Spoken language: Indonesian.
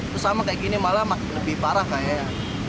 terus sama kayak gini malah lebih parah kayaknya ya